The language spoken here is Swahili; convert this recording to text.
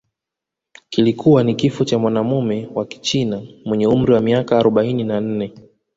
kilikuwa ni kifo cha mwanamume wa Kichina mwenye umri wa miaka arobaini na nne